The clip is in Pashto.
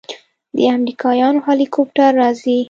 د امريکايانو هليكاپټر راځي.